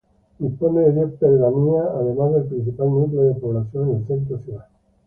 Dispone de diez pedanías además del principal núcleo de población en el centro ciudad.